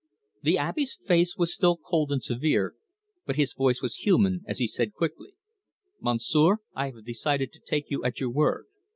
The Abbe's face was still cold and severe, but his voice was human as he said quickly: "Monsieur, I have decided to take you at your word.